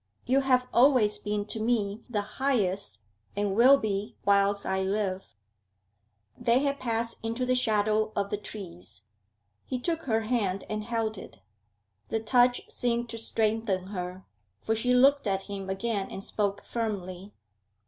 'You have always been to me the highest, and will be whilst I live.' They had passed into the shadow of the trees; he took her hand and held it. The touch seemed to strengthen her, for she looked at him again and spoke firmly.